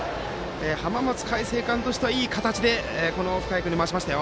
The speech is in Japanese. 浜松開誠館としてはいい形で深谷君に回しました。